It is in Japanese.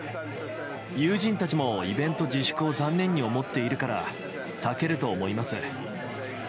友人たちもイベント自粛を残念に思っているから、避けると思います。